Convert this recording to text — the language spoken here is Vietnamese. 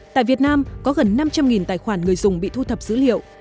tại việt nam có gần năm trăm linh tài khoản người dùng bị thu thập dữ liệu